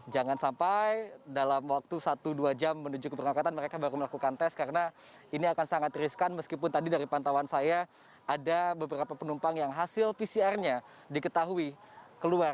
jangan sampai dalam waktu satu dua jam menuju keberangkatan mereka baru melakukan tes karena ini akan sangat riskan meskipun tadi dari pantauan saya ada beberapa penumpang yang hasil pcr nya diketahui keluar